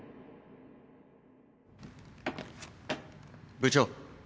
部長。